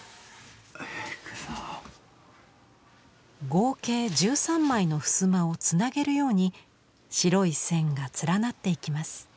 合計１３枚の襖をつなげるように白い線が連なっていきます。